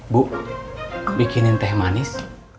bu bikinin teh manis